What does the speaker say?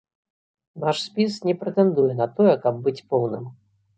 Наш спіс не прэтэндуе на тое, каб быць поўным.